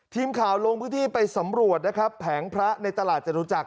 ทีมข่าวโรงพฤทธิไปสำรวจเนี่ยครับแผงพระในตลาดจรุจักร